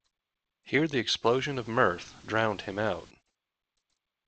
Here the explosion of mirth drowned him out.